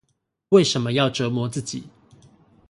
為什麼要折磨自己